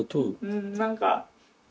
うん何か。